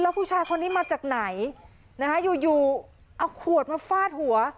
แล้วผู้ชายคนนี้มาจากไหนอยู่เอาขวดมาฟาดหัว